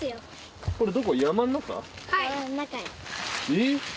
えっ。